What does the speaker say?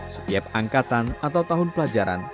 setiap angkatan atau tahun pelajaran